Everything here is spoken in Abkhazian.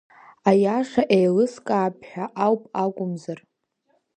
Аиаша еилыскаап ҳәа ауп акәымзар…